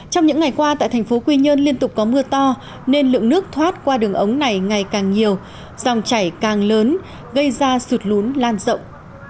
trong những ngày qua tại thành phố quy nhơn liên tục có mưa to nên lượng nước thoát qua đường ống này ngày càng nhiều dòng chảy càng lớn gây ra sụt lún lan rộng